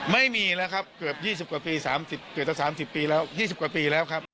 ไม่มีแล้วครับก็เกือบ๒๐กว่าปี